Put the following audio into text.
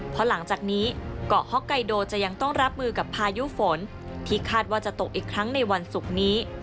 เพราะหลังจากนี้เกาะฮอกไกโดจะยังต้องรับมือกับพายุฝนที่คาดว่าจะตกอีกครั้งในวันศุกร์นี้